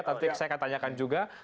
tentu saja saya akan tanyakan juga